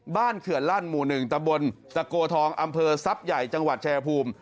บ้านเขื่อนล่านหมู่หนึ่งตะบนสะโกทองอำเภอซับใหญ่จังหวัดชายภูมิ